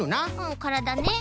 からだね。